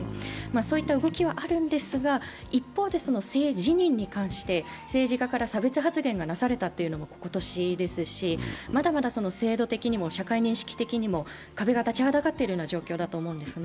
そういった動きはあるんですが、一方、性に関して政治家から差別発言がなされたのも今年ですし、まだ制度的にも社会認識的にも壁が立ちはだかっているような状況だと思うんですね。